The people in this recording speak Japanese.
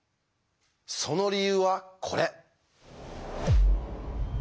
その理由はこれ。